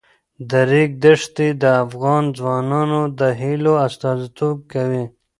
د ریګ دښتې د افغان ځوانانو د هیلو استازیتوب کوي.